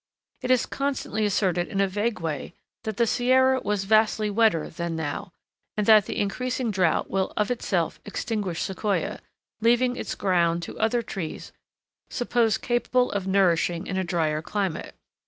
It is constantly asserted in a vague way that the Sierra was vastly wetter than now, and that the increasing drought will of itself extinguish Sequoia, leaving its ground to other trees supposed capable of nourishing in a drier climate.